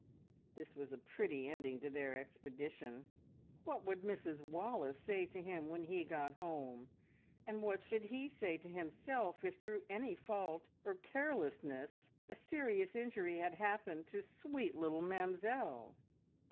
This was a pretty ending to their expedition! What would Mrs Wallace say to him when he got home, and what should he say to himself if through any fault or carelessness a serious injury had happened to sweet little Mamzelle!